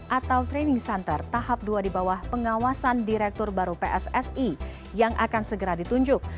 atau training center tahap dua di bawah pengawasan direktur baru pssi yang akan segera ditunjuk